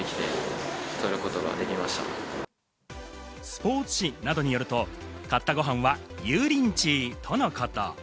スポーツ紙などによると、買ったごはんは油淋鶏とのこと。